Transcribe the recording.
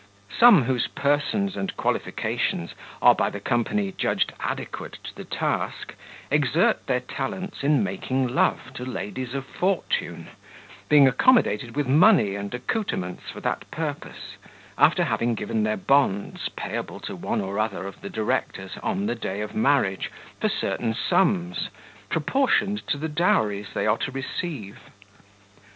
Some whose persons and qualifications are by the company judged adequate to the task, exert their talents in making love to ladies of fortune, being accommodated with money and accoutrements for that purpose, after having given their bonds payable to one or other of the directors, on the day of marriage, for certain sums, proportioned to the dowries they are to receive.